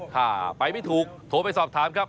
ถ้าไปไม่ถูกโทรไปสอบถามครับ